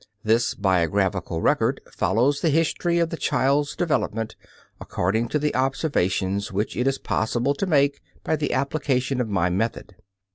This biographical record follows the history of the child's development according to the observations which it is possible to make by the application of my method.